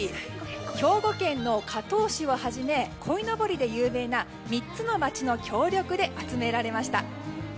兵庫県の加東市をはじめこいのぼりで有名な３つの街の協力で集められました。